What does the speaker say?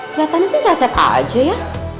kelihatannya sih sehat sehat aja ya